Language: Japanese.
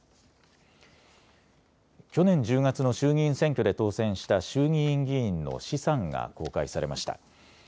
去年１０月の衆議院選挙で当選した衆議院議員の資産が公開されました。